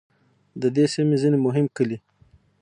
د دې سیمې ځینې مهم کلي